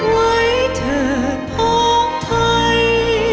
ไว้เถิดพร้อมไทย